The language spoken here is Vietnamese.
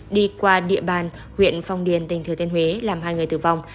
đi qua địa bàn huyện phong điền tỉnh thừa thiên huế làm hai người tử vong